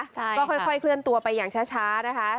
ใช่ก็ค่อยเคลื่อนตัวไปอย่างช้านะคะ